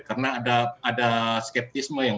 karena ada skeptisme yang